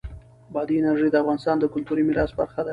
بادي انرژي د افغانستان د کلتوري میراث برخه ده.